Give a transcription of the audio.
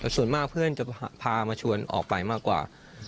ส่วนมากเพื่อนจะพามาชวนออกไปมากกว่า